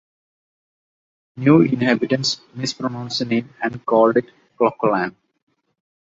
New inhabitants mispronounced the name and called it Clocolan.